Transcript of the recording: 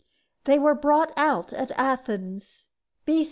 They were brought out at Athens, B.